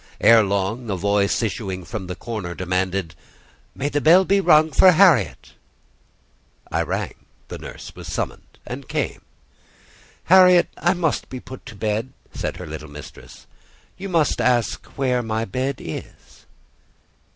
Ere long, a voice, issuing from the corner, demanded—"May the bell be rung for Harriet!" I rang; the nurse was summoned and came. "Harriet, I must be put to bed," said her little mistress. "You must ask where my bed is."